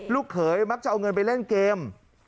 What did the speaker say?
เขยมักจะเอาเงินไปเล่นเกม